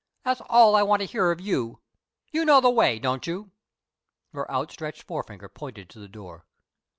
That's all I want to hear of you! You know the way, don't you?" Her outstretched forefinger pointed to the door.